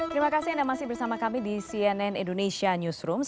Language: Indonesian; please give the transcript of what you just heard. terima kasih anda masih bersama kami di cnn indonesia newsroom